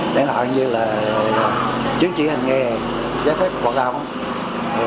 đáng hỏi như là chứng chỉ hành nghề giấy phép hoạt động